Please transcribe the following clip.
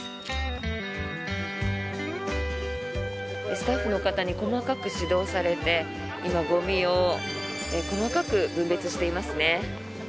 スタッフの方に細かく指導されて今、ゴミを細かく分別していますね。